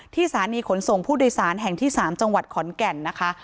สถานีขนส่งผู้โดยสารแห่งที่๓จังหวัดขอนแก่นนะคะ